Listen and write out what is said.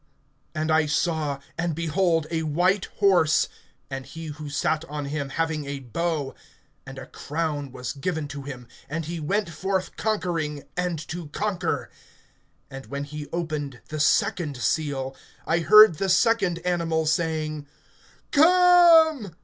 (2)And I saw, and behold a white horse, and he who sat on him having a bow; and a crown was given to him; and he went forth conquering, and to conquer. (3)And when he opened the second seal, I heard the second animal saying: Come!